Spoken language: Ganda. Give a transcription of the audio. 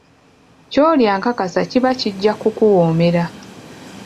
Ky'olya nkakasa kiba kijja kukuwoomera.